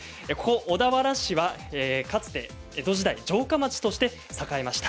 小田原市は江戸時代城下町として栄えました。